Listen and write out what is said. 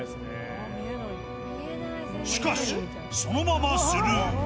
しかし、そのままスルー。